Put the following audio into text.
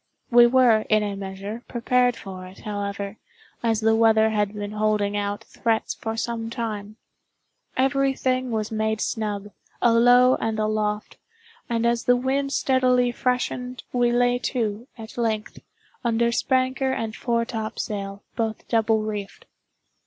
We were, in a measure, prepared for it, however, as the weather had been holding out threats for some time. Every thing was made snug, alow and aloft; and as the wind steadily freshened, we lay to, at length, under spanker and foretopsail, both double reefed.